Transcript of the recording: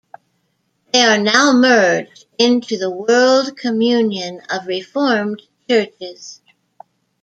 They are now merged into the World Communion of Reformed Churches.